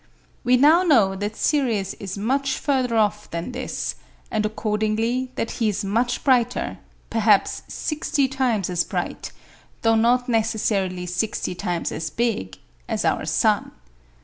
We now know that Sirius is much further off than this; and accordingly that he is much brighter, perhaps sixty times as bright, though not necessarily sixty times as big, as our sun.